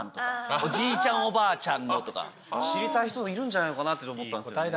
おじいちゃん、おばあちゃんのとか、知りたい人いるんじゃないのかなと思ったんですけど。